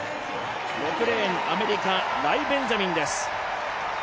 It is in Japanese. ６レーン、アメリカライ・ベンジャミンです。